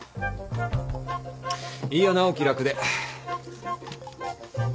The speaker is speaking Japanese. いいよなお気楽で。